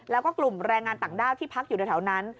แล้วก็กลุ่มแรงงานต่างด้าวที่พักอยู่ในแถวนั้น